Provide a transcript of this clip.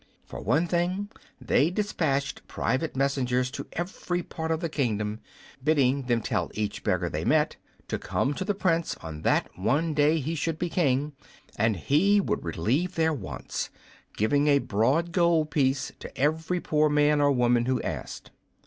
For one thing, they dispatched private messengers to every part of the kingdom, bidding them tell each beggar they met to come to the Prince on that one day he should be King and he would relieve their wants, giving a broad gold piece to every poor man or woman who asked.